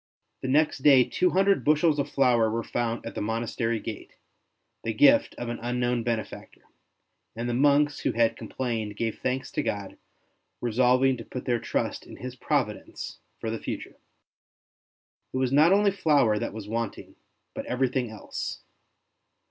5 66 ST. BENEDICT The next day two hundred bushels of flour were found at the monastery gate, the gift of an unknown benefactor; and the monks who had complained gave thanks to God, resolving to put their trust in His Providence for the future. It was not only flour that was wanting, but everything else.